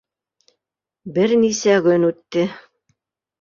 Бер нисә көн үтте.